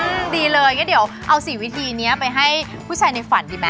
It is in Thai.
อืมดีเลยงั้นเดี๋ยวเอาสี่วิธีเนี้ยไปให้ผู้ชายในฝันดีไหม